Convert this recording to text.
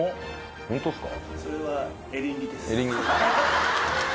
ホントっすか？